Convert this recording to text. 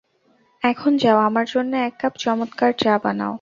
এখন যাও, আমার জন্যে এক কাপ চমৎকার চা বানাও।